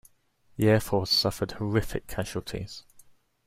The air force suffered horrific casualties.